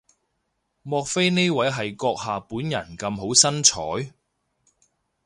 莫非呢位係閣下本人咁好身材？